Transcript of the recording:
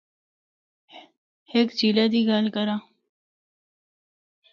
ہک جِھیلا دی گل کراں۔